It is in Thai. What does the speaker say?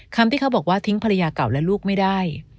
คำที่เขาบอกว่าทิ้งภรรยาเก่าและลูกไม่ได้